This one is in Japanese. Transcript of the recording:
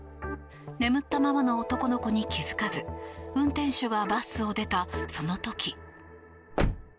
眠ったままの男の子に気付かず運転手がバスを出たその時。